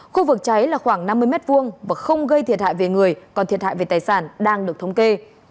khu vực cháy là khoảng năm mươi m hai và không gây thiệt hại về người còn thiệt hại về tài sản đang được thống kê